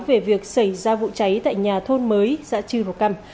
về việc xảy ra vụ cháy tại nhà thôn mới giã chư hồ căm